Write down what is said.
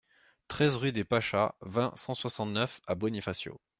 treize rue des Pachas, vingt, cent soixante-neuf à Bonifacio